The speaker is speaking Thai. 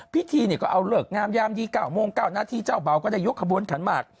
พิธีเนี่ยก็เอาเลิกงามยามดี๙โมง๙นาทีเจ้าเบาก็ได้ยกขบวนขันหมาก